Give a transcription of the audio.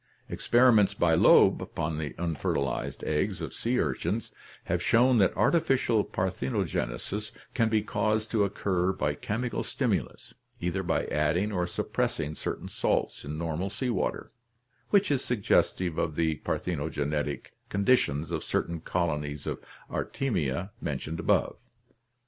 Experiments by Loeb upon the unfertilized eggs of sea urchins have shown that artificial parthenogenesis can be caused to occur by chemical stimulus, either by adding or suppressing certain salts in normal sea water, which is suggestive of the parthenogenetic conditions of certain colonies of Artemia mentioned above.